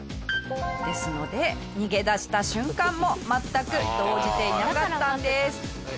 ですので逃げ出した瞬間も全く動じていなかったんです。